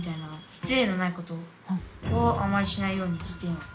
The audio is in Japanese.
失礼になることをあまりしないようにしています。